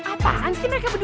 apaan sih mereka berdua